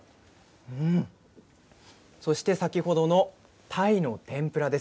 そして先ほどのたいの天ぷらです。